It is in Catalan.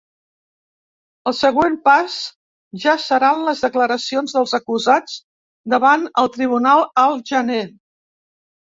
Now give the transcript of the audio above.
El següent pas ja seran les declaracions dels acusats davant el tribunal al gener.